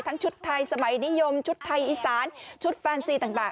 ชุดไทยสมัยนิยมชุดไทยอีสานชุดแฟนซีต่าง